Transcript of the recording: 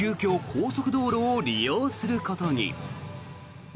高速道路を利用することに。